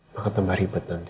maka tambah ribet nanti